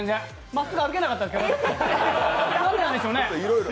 何だったんでしょうね。